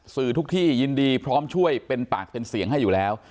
สื่อทุกที่ยินดีพร้อมช่วยเป็นปากเป็นเสียงให้อยู่แล้ว